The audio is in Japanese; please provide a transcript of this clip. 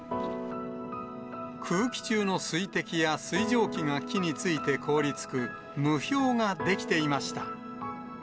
空気中の水滴や水蒸気が木について凍り付く、霧氷が出来ていました。